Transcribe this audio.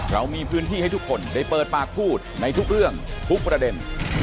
เรามีพื้นที่ให้ทุกคนได้เปิดปากพูดในทุกเรื่องทุกประเด็น